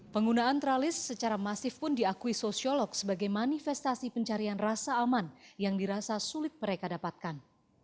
penggunaan tralis secara masif pun diakui sosiolog sebagai manifestasi pencarian rasa aman yang dirasa sulit mereka dapatkan